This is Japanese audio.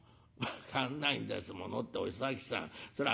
「分かんないんですものってお崎さんそら